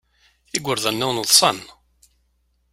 Igerdan-nniḍen ḍsan.